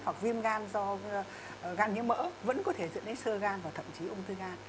hoặc viêm gan do gan nhiễm mỡ vẫn có thể dẫn đến sơ gan và thậm chí ung thư gan